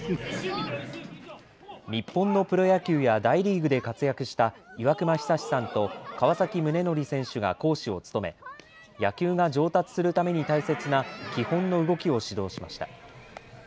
日本のプロ野球や大リーグで活躍した岩隈久志さんと川崎宗則選手が講師を務め野球が上達するために大切な基本の動きを指導しました。